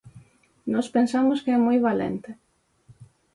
Nós pensamos que é moi valente.